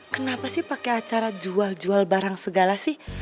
kenapa sih pakai acara jual jual barang segala sih